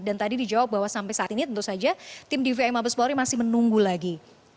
dan tadi dijawab bahwa sampai saat ini tentu saja tim dvi mabes bauri masih menunggu lagi